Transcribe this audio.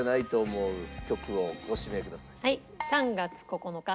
『３月９日』